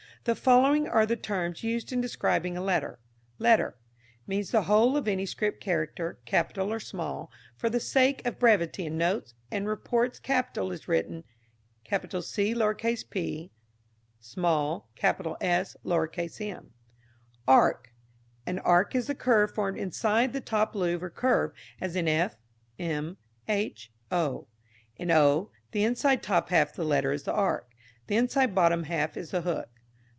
The following are the terms used in describing a letter: Letter means the whole of any script character, capital or small. For the sake of brevity in notes and reports capital is written Cp.; small, Sm. Arc. An arc is the curve formed inside the top loop or curve, as in f, m, h, o. In o, the inside top half of the letter is the arc; the inside bottom half is the hook.